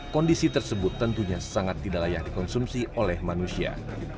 kondisi tersebut tentunya sangat tidak layak dikonsumsi oleh manusia